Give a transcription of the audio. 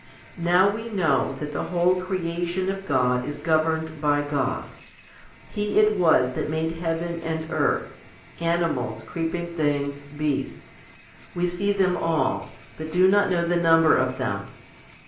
Now we know that the whole creation of God is governed by God. He it was that made heaven and earth, animals, creeping things, beasts. We see them all, but do not know the number of them.